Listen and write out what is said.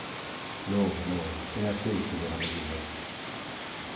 Non, non, é así, señora Melide.